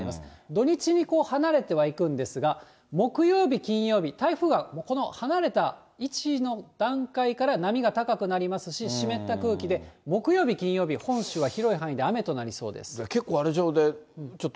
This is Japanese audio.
土日に離れてはいくんですが、木曜日、金曜日、台風がこの離れた位置の段階から波が高くなりますし、湿った空気で、木曜日、金曜日、本州は広い範囲で雨となりそうで結構あれでしょ、